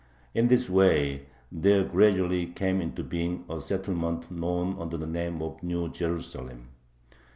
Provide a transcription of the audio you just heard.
In this way there gradually came into being a settlement known under the name of New Jerusalem.